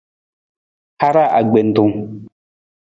Haraa akpentung.